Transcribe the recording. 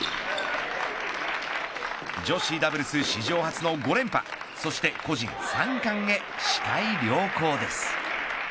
女子ダブルス史上初の５連覇そして個人３冠へ視界良好です。